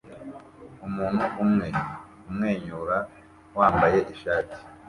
Umuntu umwe umwenyura wambaye ishati